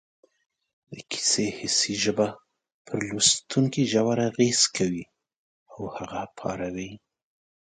د کیسې حسي ژبه پر لوستونکي ژور اغېز کوي او هغه پاروي